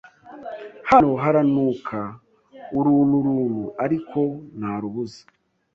Hano haranuka uruntu runtu ariko narubuze